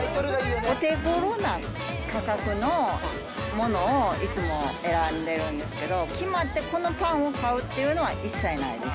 お手ごろな価格のものをいつも選んでるんですけど、決まってこのパンを買うっていうのは一切ないです。